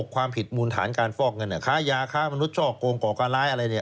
๒๖ความผิดมูลฐานการฟอกเงินค้ายาค้ามนุชชอกโกงก่อการร้ายอะไร